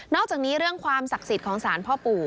อกจากนี้เรื่องความศักดิ์สิทธิ์ของสารพ่อปู่